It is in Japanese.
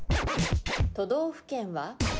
都道府県は？